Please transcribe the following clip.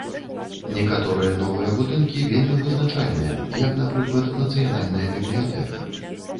Некаторыя новыя будынкі вельмі вызначальныя, як, напрыклад, нацыянальная бібліятэка.